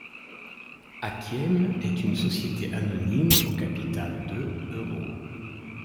Akiem est une société anonyme au capital de euros.